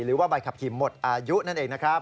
หรือว่าใบขับขี่หมดอายุนั่นเองนะครับ